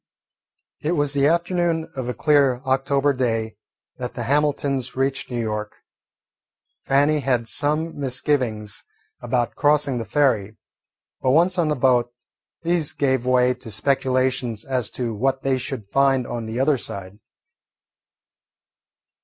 It was the afternoon of a clear October day that the Hamiltons reached New York. Fannie had some misgivings about crossing the ferry, but once on the boat these gave way to speculations as to what they should find on the other side.